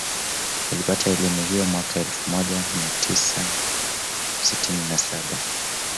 Alipata elimu hiyo mwaka elfu moja mia tiaa sitini na saba